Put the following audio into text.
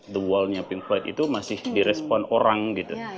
the wall nya pink flight itu masih di respon orang gitu